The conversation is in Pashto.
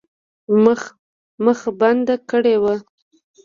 مخه بنده کړې وه.